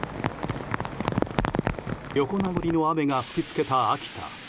横殴りの雨が吹きつけた秋田。